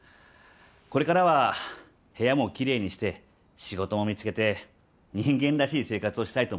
これからは部屋もきれいにして仕事も見つけて人間らしい生活をしたいと思います。